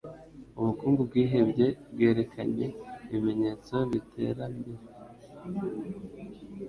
Ubukungu bwihebye bwerekanye ibimenyetso byiterambere.